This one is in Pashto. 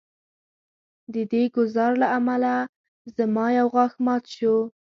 د دې ګزار له امله زما یو غاښ مات شو